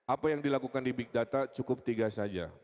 apa yang dilakukan di big data cukup tiga saja